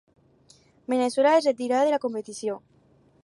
Veneçuela es retirà de la competició.